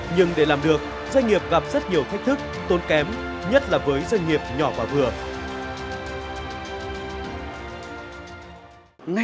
nhưng để làm được doanh nghiệp gặp rất nhiều thách thức tốn kém nhất là với doanh nghiệp nhỏ và vừa